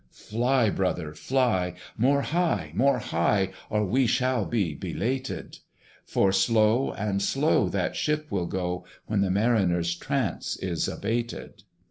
Fly, brother, fly! more high, more high Or we shall be belated: For slow and slow that ship will go, When the Mariner's trance is abated.